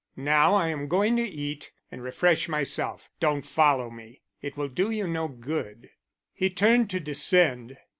Now I am going to eat and refresh myself. Don't follow me; it will do you no good." He turned to descend.